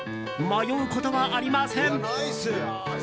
迷うことはありません。